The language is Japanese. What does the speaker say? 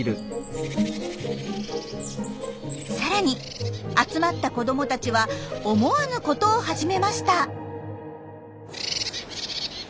さらに集まった子どもたちは思わぬことを始めました。